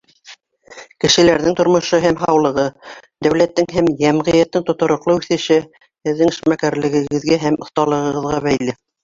— Кешеләрҙең тормошо һәм һаулығы, дәүләттең һәм йәмғиәттең тотороҡло үҫеше һеҙҙең эшмәкәрлегегеҙгә һәм оҫталығығыҙға бәйле.